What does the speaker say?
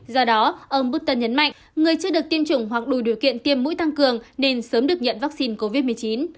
do đó ông busta nhấn mạnh người chưa được tiêm chủng hoặc đủ điều kiện tiêm mũi tăng cường nên sớm được nhận vaccine covid một mươi chín